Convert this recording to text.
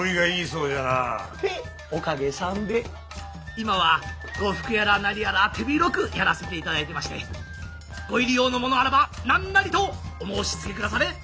今は呉服やら何やら手広くやらせていただいてましてご入り用の物あらば何なりとお申しつけくだされ！